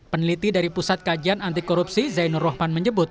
peneliti dari pusat kajian antikorupsi zainul rohman menyebut